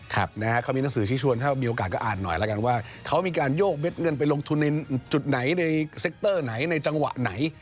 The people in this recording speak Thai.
เขามีหนังสือชี้ชวนถ้ามีโอกาสก็อ่านหน่อยแล้วกันว่าเขามีการโยกเม็ดเงินไปลงทุนในจุดไหนในเซ็กเตอร์ไหนในจังหวะไหน